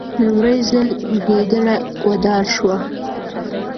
لومړی ځل ګیدړه وډار شوه.